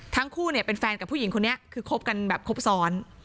ทั้งคู่เนี่ยเป็นแฟนกับผู้หญิงคนนี้คือคบกันแบบครบซ้อน